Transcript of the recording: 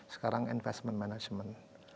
sekarang investment management